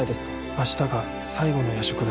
明日が最後の夜食だ。